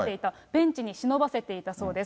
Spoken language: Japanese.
ベンチに忍ばせていたそうです。